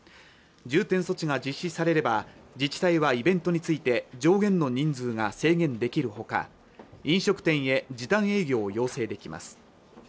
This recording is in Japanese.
重点措置が実施されれば自治体はイベントについて上限の人数が制限できるほか飲食店へ時短営業を要請できます